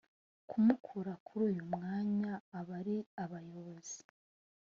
kumukura kuri uyu mwanya abari abayobozi